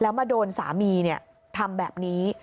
แล้วมาโดนสามีทำแบบนี้